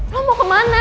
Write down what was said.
lo mau kemana